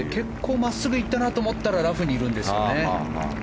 真っすぐ行ったと思ったらラフにいるんですよね。